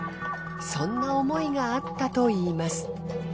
そんな思いがあったといいます。